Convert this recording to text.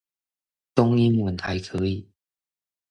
中英文還可以